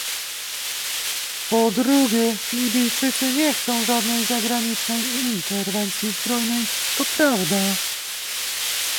Po drugie, Libijczycy nie chcą żadnej zagranicznej interwencji zbrojnej - to prawda